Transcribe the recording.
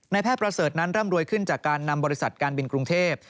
แพทย์ประเสริฐนั้นร่ำรวยขึ้นจากการนำบริษัทการบินกรุงเทพ